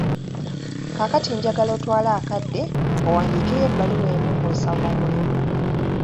Kaakati njagala otwale akadde owandiikeyo ebbaluwa emu ng'osaba omulimu.